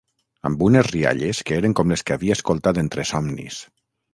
Amb unes rialles que eren com les que havia escoltat entre somnis.